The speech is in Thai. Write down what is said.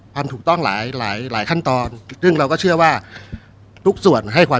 ความถูกต้องหลายหลายขั้นตอนซึ่งเราก็เชื่อว่าทุกส่วนให้ความ